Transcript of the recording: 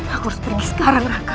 aku harus pergi sekarang rangka